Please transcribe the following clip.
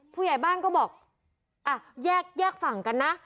ผู้ใหญ่บ้านก็บอกอ่ะแยกฝั่งกันนะ